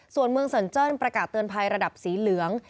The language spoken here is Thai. ส่วนเมืองเซินเจิ้นประกาศเตือนภัยระดับสีเหลือง